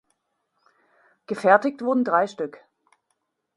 Gefertigt wurden drei Stück.